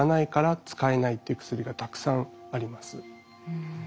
うん。